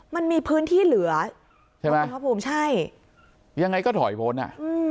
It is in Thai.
มันมีพื้นที่เหลือใช่ไหมครับครับผมใช่ยังไงก็ถอยพ้นอ่ะ